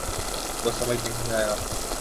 وہ سمجھ نہیں آیا